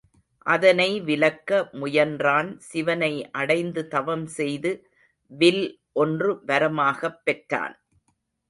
அதனை விலக்க முயன்றான் சிவனை அடைந்து தவம் செய்து வில் ஒன்று வரமாகப் பெற்றான்.